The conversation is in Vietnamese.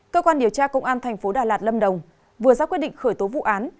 cơ quan điều tra công an tp đà lạt lâm đồng vừa ra quyết định khởi tố vụ án